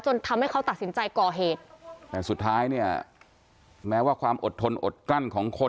จนทำให้เขาตัดสินใจก่อเหตุแต่สุดท้ายเนี่ยแม้ว่าความอดทนอดกลั้นของคน